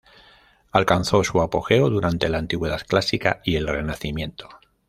Alcanzó su apogeo durante la Antigüedad clásica y el Renacimiento.